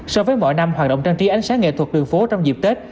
so với mọi năm hoạt động trang trí ánh sáng nghệ thuật đường phố trong dịp tết